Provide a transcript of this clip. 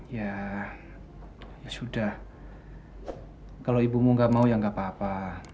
ya ya sudah kalau ibumu gak mau ya gak apa apa